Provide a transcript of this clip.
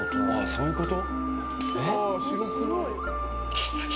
そういうこと？